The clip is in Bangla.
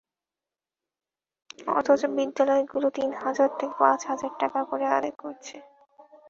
অথচ বিদ্যালয়গুলো তিন হাজার থেকে পাঁচ হাজার টাকা করে আদায় করছে।